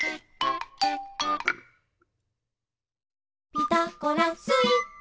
「ピタゴラスイッチ」